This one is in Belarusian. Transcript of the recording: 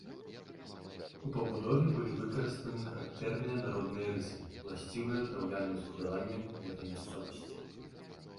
У пабудове былі выкарыстаны характэрныя народныя рысы, уласцівыя драўляным збудаванням гэтай мясцовасці.